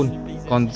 còn rất là quan trọng